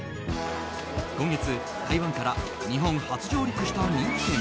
今月、台湾から日本初上陸した人気店